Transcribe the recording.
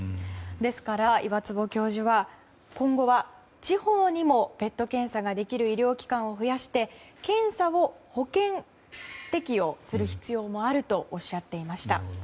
ですから、岩坪教授は今後は地方にもＰＥＴ検査ができる医療機関を増やして検査を保険適用する必要もあるとおっしゃっていました。